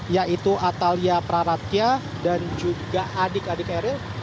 yaitu atalia praratya dan juga adik adik eril